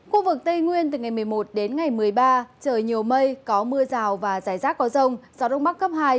khu vực tây nguyên từ ngày một mươi một đến ngày một mươi ba trời nhiều mây có mưa rào và rải rác có rông gió đông bắc cấp hai